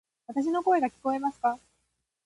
わたし（の声）が聞こえますか？